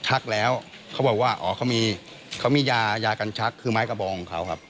ทักแล้วเขาบอกว่าอ๋อเขามีเขามียายากันชักคือไม้กระบองของเขาครับ